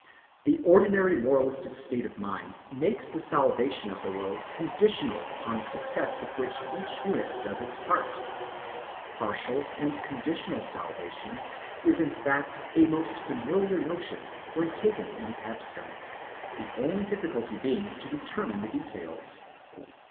The ordinary moralistic state of mind makes the salvation of the world conditional upon the success with which each unit does its part. Partial and conditional salvation is in fact a most familiar notion when taken in the abstract, the only difficulty being to determine the details.